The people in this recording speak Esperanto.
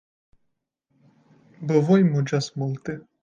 Bovoj muĝas multe.